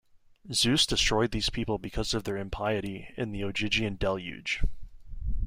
Zeus destroyed these people because of their impiety, in the Ogygian Deluge.